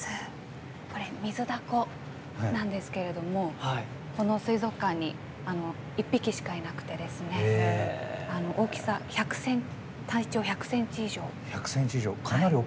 ミズダコなんですけれどもこの水族館に１匹しかいなくて体長１００ｃｍ以上。